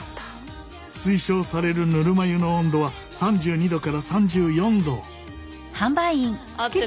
推奨されるぬるま湯の温度は３２℃から３４℃。